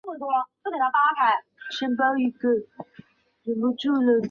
大韦内迪格山麓诺伊基兴是奥地利萨尔茨堡州滨湖采尔县的一个市镇。